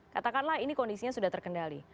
katakanlah ini kondisinya sudah terkendali